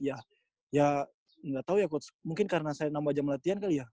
ya gak tau ya coach mungkin karena saya nambah jam latihan kali ya